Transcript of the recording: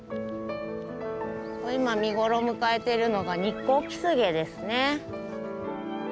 今見頃を迎えているのがニッコウキスゲですね。